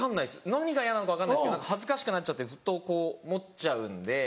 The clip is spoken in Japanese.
何が嫌なのか分かんないですけど何か恥ずかしくなっちゃってずっとこう持っちゃうんで。